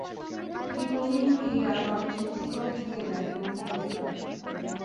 তিনি কোহিনুর হীরা রণজিৎ সিংকে দিয়ে দেন এবং মুক্তি পান।